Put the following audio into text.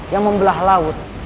yang membelah laut